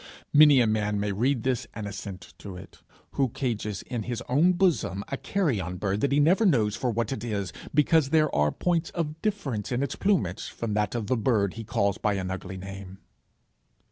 Many a man might read this and assent to it, who cages in his own bosom a carrion bird that he never knows for what it is, because there are points of difference in its plumage from that of the bird he calls by an ugly name.